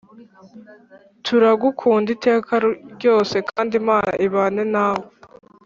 turagukunda iteka ryose kandi imana ibane nawe.